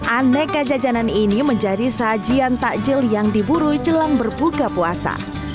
aneka jajanan ini menjadi sajian takjil yang diburu celang berbuka puasa